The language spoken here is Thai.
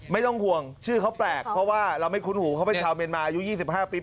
ไม่ต้องห่วงชื่อเขาแปลกเพราะว่าเราไม่คุ้นหูเขาเป็นชาวเมียนมาอายุ๒๕ปี